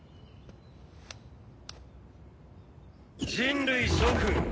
「人類諸君」